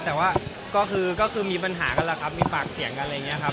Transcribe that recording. แต่ว่าก็คือมีปัญหากันแหละครับมีปากเสียงกันอะไรอย่างนี้ครับ